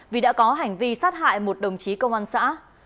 vì đã có hành vi sát hại một đồng chí công an xã